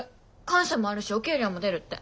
官舎もあるしお給料も出るって。